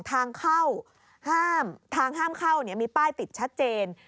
ทางเข้าห้ามทางห้ามเข้ามีป้ายติดชัดเจน